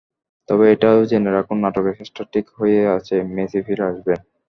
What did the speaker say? তবে এটাও জেনে রাখুন, নাটকের শেষটা ঠিক হয়েই আছে—মেসি ফিরে আসবেন।